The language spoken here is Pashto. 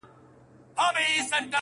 وجود شراب شراب نشې نشې لرې که نه,